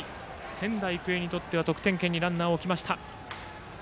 仙台育英にとっては得点圏にランナーを置きました。